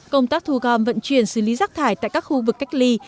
công tác thu gom vận chuyển xử lý rác thải tại các khu vực cách ly